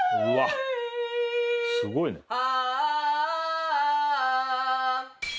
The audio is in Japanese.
うわっすごいね。